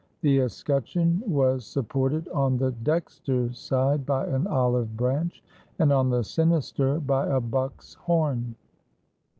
The escutcheon was supported on the dexter side by an olive branch, and on the sinister by a buck's horn.